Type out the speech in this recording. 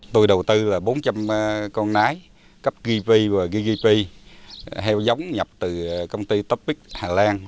tôi đầu tư là bốn trăm linh con nái cấp gp và gp heo giống nhập từ công ty topic hà lan